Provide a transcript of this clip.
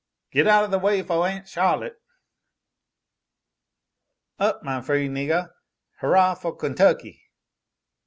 "Get out of the way foh Aun' Charlotte!" "Up, my free niggah! Hurrah foh Kentucky."